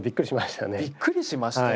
びっくりしましたよ。